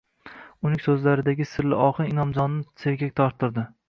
Uning so`zlaridagi sirli ohang Inomjonni sergak torttirdi